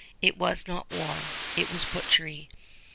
It was not war. It was butchery.